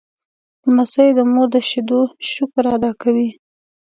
لمسی د مور د شیدو شکر ادا کوي.